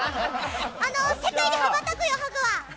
世界に羽ばたくよハグは。